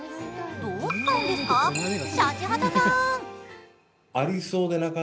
どう使うんですか？